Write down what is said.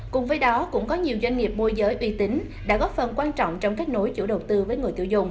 cùng với đó cũng có nhiều doanh nghiệp môi giới uy tín đã góp phần quan trọng